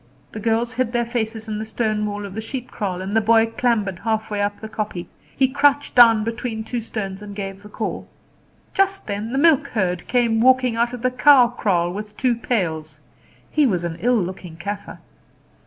The girls hid their faces in the stone wall of the sheep kraal, and the boy clambered half way up the kopje. He crouched down between two stones and gave the call. Just then the milk herd came walking out of the cow kraal with two pails. He was an ill looking Kaffer.